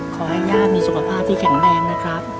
ขอให้ย่ามีสุขภาพที่แข็งแรงนะครับ